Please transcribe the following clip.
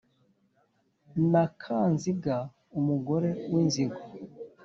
na kanziga umugore w’inzigo